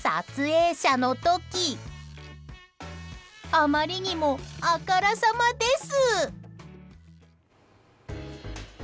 あまりにも、あからさまです。